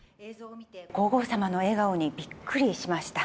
皇后さまの笑顔にびっくりしました。